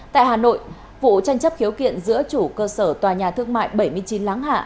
tại hà nội vụ tranh chấp khiếu kiện giữa chủ cơ sở tòa nhà thương mại bảy mươi chín láng hạ